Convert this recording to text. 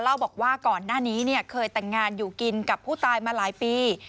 เล่าบอกว่าก่อนหน้านี้เนี่ยเคยแต่งงานอยู่กินกับผู้ตายมาหลายปี